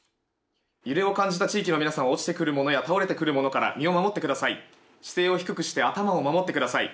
揺れを感じた地域の皆さん落ちてくるものや倒れてくるものから身を守ってください。